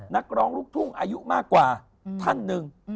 นักร้องลูกทุ่งอายุมากกว่าท่านหนึ่ง